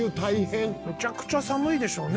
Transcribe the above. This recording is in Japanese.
めちゃくちゃ寒いでしょうね